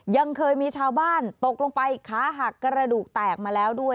ยังเคยมีชาวบ้านตกลงไปขาหักกระดูกแตกมาแล้วด้วย